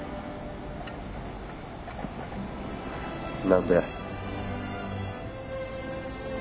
何で？